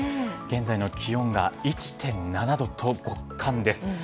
現在の気温が１．７度と極寒です。